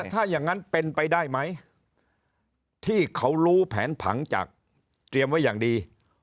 ถ้าอย่างนั้นเป็นไปได้ไหมที่เขารู้แผนผังจากเตรียมไว้อย่างดี